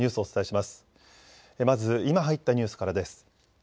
まず今入ったニュースからです。